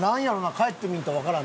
帰ってみんとわからんな。